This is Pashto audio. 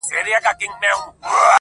لږ دي د حُسن له غروره سر ور ټیټ که ته~